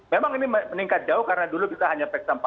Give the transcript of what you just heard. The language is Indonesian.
memang ini meningkat jauh karena dulu bisa hanya peksa empat ratus